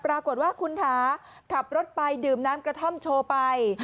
ปรากฏว่าคุณคะขับรถไปดื่มน้ำกระท่อมโชว์ไป